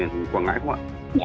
tỉnh quảng ngãi không ạ